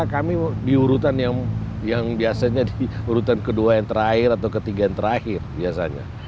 kami diurutan yang biasanya diurutan kedua yang terakhir atau ketiga yang terakhir biasanya